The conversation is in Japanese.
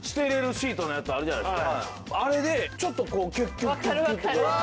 あれでちょっとこうキュッキュッキュッキュッ。